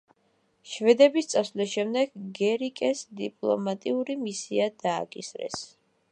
შვედების წასვლის შემდეგ გერიკეს დიპლომატიური მისია დააკისრეს.